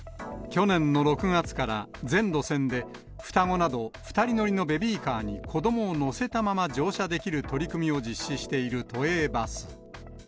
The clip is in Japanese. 去年の６月から全路線で、双子など２人乗りのベビーカーに子どもを乗せたまま乗車できる取り組みを実施している都営バス。